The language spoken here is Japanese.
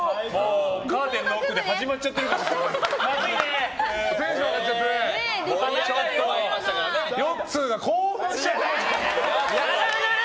カーテンの奥で始まっちゃってるかもしれない。